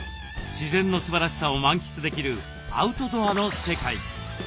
自然のすばらしさを満喫できるアウトドアの世界。